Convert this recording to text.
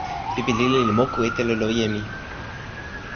pipi lili li moku e telo loje mi.